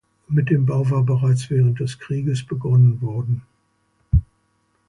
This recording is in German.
Mit dem Bau war bereits während des Krieges begonnen worden.